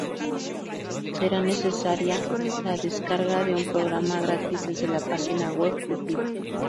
Será necesaria la descarga de un programa gratis desde la página web de TiVo.